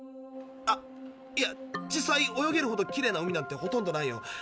あいや実際泳げるほどきれいな海なんてほとんどないよ。